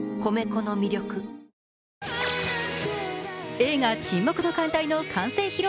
映画「沈黙の艦隊」の完成披露